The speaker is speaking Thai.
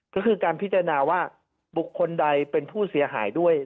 ก็คือการพิจารณาว่าบุคคลใดเป็นผู้เสียหายด้วย